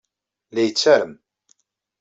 La yettarem.